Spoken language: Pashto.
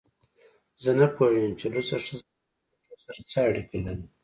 زه نه پوهیږم چې لوڅه ښځه له کمپیوټر سره څه اړیکه لري